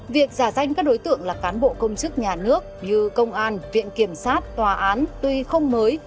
việc giả danh các đối tượng là cán bộ công chức nhà nước như công an viện kiểm sát tòa án tuy không mới